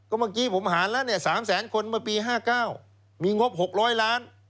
เมื่อกี้ผมหารแล้วเนี่ย๓แสนคนเมื่อปี๕๙มีงบ๖๐๐ล้าน